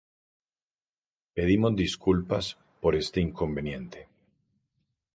Pedimos disculpas por este inconveniente.